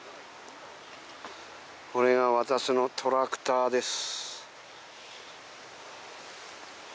これが私のトラクターです